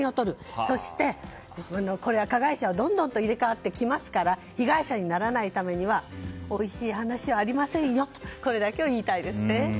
そして、加害者はどんどん入れ替わってきますから被害者にならないためにはおいしい話はありませんよとこれだけは言いたいです。